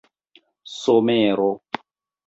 somero